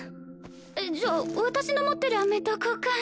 えっじゃあ私の持ってるアメと交換。